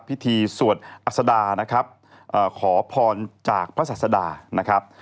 สวดอัศดานะครับขอพรจากพระศาสดานะครับ